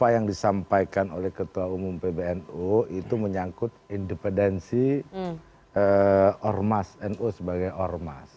apa yang disampaikan oleh ketua umum pbnu itu menyangkut independensi ormas nu sebagai ormas